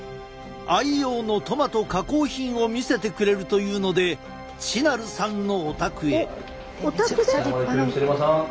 愛用のトマト加工品を見せてくれるというのでチナルさんのお宅へ。